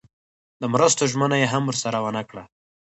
د مرستو ژمنه یې هم ورسره ونه کړه.